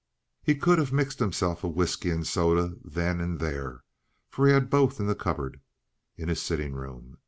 He could have mixed himself a whisky and soda then and there, for he had both in the cupboard, in his sitting room.